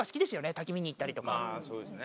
滝見に行ったりとか。